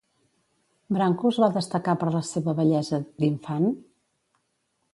Brancos va destacar per la seva bellesa, d'infant?